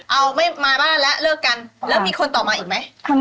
แล้วแม่เคยมาบ้านแล้วเลิกกัน